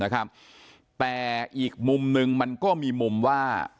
แต่อีกมุมนึงมันก็มีมุมว่า